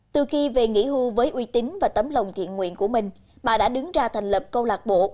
từ khi về nghỉ hưu với uy tín và tấm lòng thiện nguyện của mình bà đã đứng ra thành lập câu lạc bộ